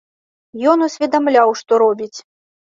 Ён усведамляў, што робіць.